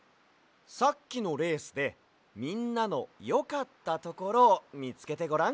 さっきのレースでみんなのよかったところをみつけてごらん。